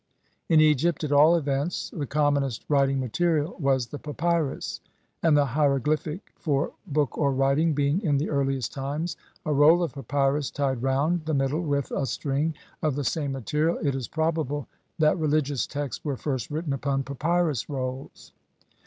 In Egypt, at all events, the commonest writing material was the papyrus, and, the hiero glyphic for "book" or "writing" being in the earliest times a roll of papyrus tied round the middle with a string of the same material, it is probable that relir gious texts were first written upon papyrus rolls.